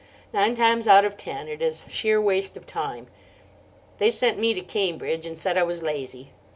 Nine times out of ten it is sheer waste of time. They sent me to Cambridge, and said I was lazy.